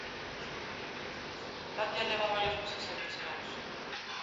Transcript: Tapia leva varios meses sen descanso.